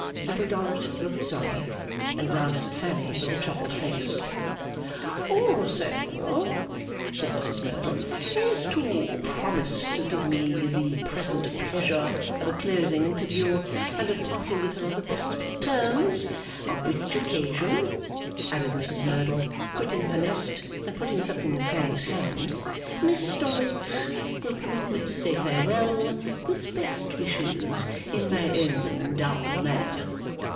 Little Dorrit looked sorry, and glanced at Fanny with a troubled face. 'Also,' said Mrs Merdle, 'as to promise to give me the present pleasure of a closing interview, and of parting with her on the best of terms. On which occasion,' added Mrs Merdle, quitting her nest, and putting something in Fanny's hand, 'Miss Dorrit will permit me to say Farewell with best wishes in my own dull manner.